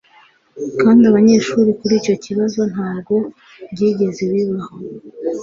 kandi abanyeshuri kuri icyo kibazo ntabwo byigeze bibaho